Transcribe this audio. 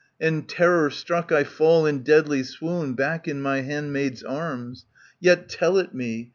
And terror struck I fall in deadly swoon Back in my handmaids' arms ; yet tell it me.